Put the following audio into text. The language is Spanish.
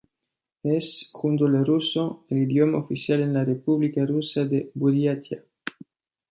Es, junto al ruso, el idioma oficial en la república rusa de Buriatia.